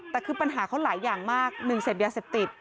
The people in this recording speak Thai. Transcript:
แต่คือปัญหาเขาหลายอย่างมากหนึ่งเสพยาเสพติด